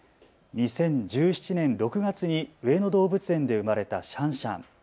２０１７年６月に上野動物園で生まれたシャンシャン。